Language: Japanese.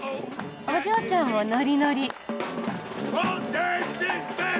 お嬢ちゃんもノリノリ！